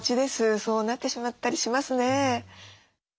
そうなってしまったりしますね。